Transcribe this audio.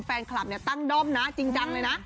แฟนคลับเนี่ยตั้งด้อมนะจริงจังเลยนะ